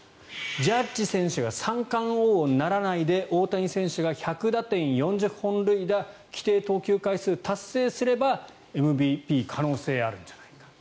ジャッジ選手が三冠王にならないで大谷選手が１００打点４０本塁打規定投球回数達成すればＭＶＰ、可能性あるんじゃないかと。